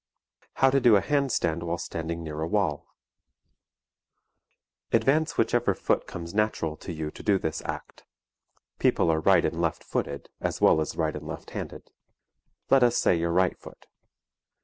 How to do a hand stand while standing near a wall. Advance whichever foot comes natural to you to do this act (people are right and left footed as well as right and left handed); let us say your right foot.